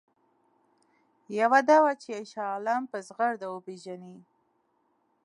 یوه دا وه چې شاه عالم په زغرده وپېژني.